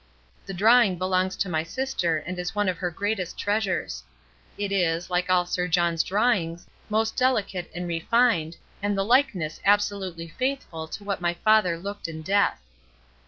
The drawing belongs to my sister, and is one of her greatest treasures. It is, like all Sir John's drawings, most delicate and refined, and the likeness absolutely faithful to what my father looked in death.